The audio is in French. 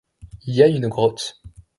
Il y a une grotte.